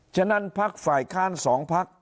ฉะนั้นภาคฝ่ายค้านสองภาค